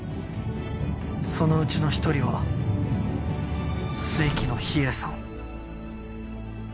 そのうちの一人は水鬼の秘影さん。